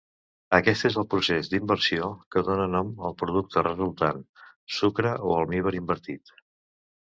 Aquest és el procés d'inversió, que dóna nom al producte resultant: sucre o almívar invertit.